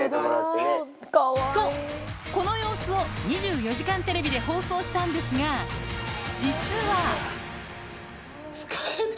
と、この様子を、２４時間テレビで放送したんですが、実は。